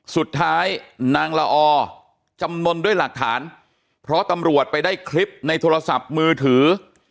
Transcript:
นางละอจำนวนด้วยหลักฐานเพราะตำรวจไปได้คลิปในโทรศัพท์มือถือ